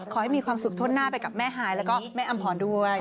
ขอให้มีความสุขทนหน้าไปกับแม่ฮายแล้วก็แม่อำพรด้วย